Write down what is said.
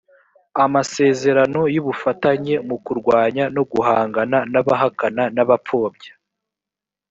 amasezerano y ubufatanye mu kurwanya no guhangana n abahakana n abapfobya